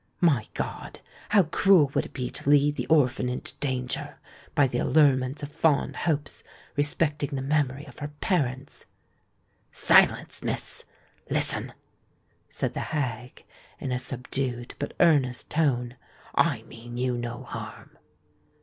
My God! how cruel would it be to lead the orphan into danger, by the allurements of fond hopes respecting the memory of her parents!" "Silence, Miss—listen!" said the hag, in a subdued but earnest tone: "I mean you no harm."